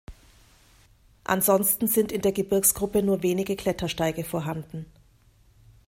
Ansonsten sind in der Gebirgsgruppe nur wenige Klettersteige vorhanden.